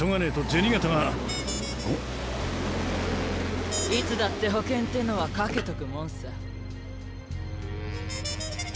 いつだって保険ってのは掛けとくもんさ。